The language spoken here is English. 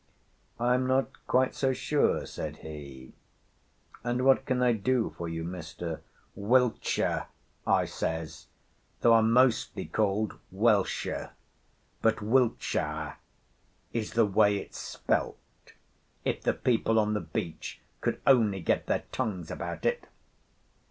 "I am not quite so sure," said he. "And what can I do for you, Mr.—?" "Wiltshire," I says, "though I'm mostly called Welsher; but Wiltshire is the way it's spelt, if the people on the beach could only get their tongues about it.